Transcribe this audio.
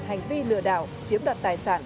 hành vi lừa đảo chiếm đoạt tài sản